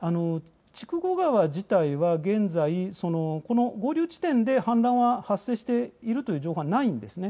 筑後川自体は現在合流地点で氾濫は発生している情報はないんですね。